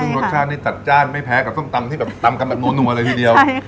รสชาตินี้จัดจ้านไม่แพ้กับส้มตำที่แบบตำกันแบบนัวเลยทีเดียว